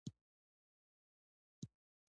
کیمیاګر د کیسې په پای کې ملګری کیږي.